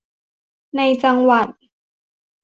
ในจังหวัด